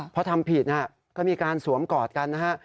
พอทำผิดก็มีการสวมกอดกันนะฮะ